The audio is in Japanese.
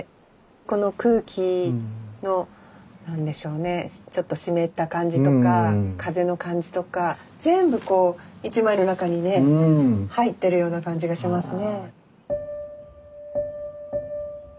この空気の何でしょうねちょっと湿った感じとか風の感じとか全部こう１枚の中にね入ってるような感じがしますね。